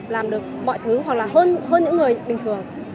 làm được mọi thứ hoặc là hơn những người bình thường